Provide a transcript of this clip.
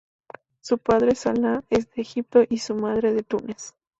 Su padre Salah es de Egipto y su madre de Túnez.